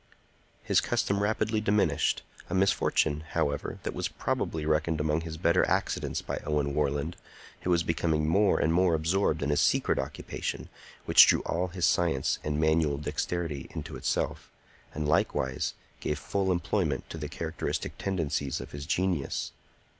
His custom rapidly diminished—a misfortune, however, that was probably reckoned among his better accidents by Owen Warland, who was becoming more and more absorbed in a secret occupation which drew all his science and manual dexterity into itself, and likewise gave full employment to the characteristic tendencies of his genius.